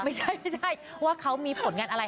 ไม่ใช่ว่าเขามีผลงานอะไร